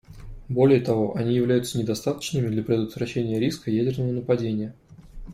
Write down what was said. Более того, они являются недостаточными для предотвращения риска ядерного нападения.